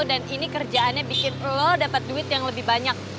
dan ini kerjaannya bikin lo dapat duit yang lebih banyak